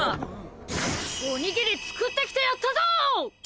おにぎり作ってきてやったぞ！